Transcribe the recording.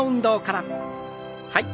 はい。